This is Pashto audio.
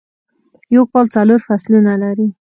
یوکال څلورفصلونه لري ..